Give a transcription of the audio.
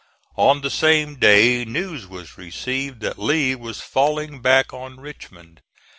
On the same day news was received that Lee was falling back on Richmond.